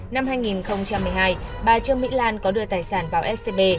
năm hai nghìn một mươi hai bà trương mỹ lan có đưa tài sản vào scb